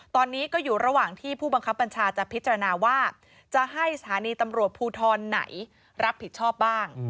ตอนนี้ก็อยู่ระหว่างที่ผู้บังคับบัญชาจะพิจารณาว่าจะให้สถานีตำรวจภูทรไหนรับผิดชอบบ้าง